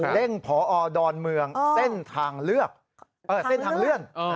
เร่งพอดอนเมืองเส้นทางเลื่อน